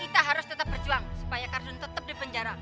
kita harus tetap berjuang supaya kardiun tetap di penjara